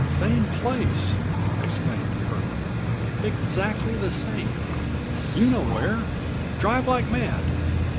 "Same place," exclaimed Curlie, "exactly the same! You know where! Drive like mad!"